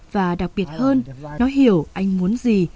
và đặc biệt hơn nó hiểu anh muốn gì